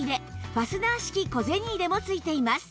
ファスナー式小銭入れもついています